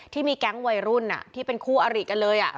ที่มีแก๊งวัยรุ่นที่เป็นคู่อริกันเลย